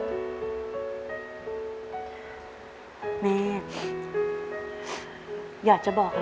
แต่ที่แม่ก็รักลูกมากทั้งสองคน